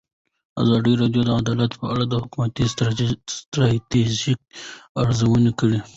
ازادي راډیو د عدالت په اړه د حکومتي ستراتیژۍ ارزونه کړې.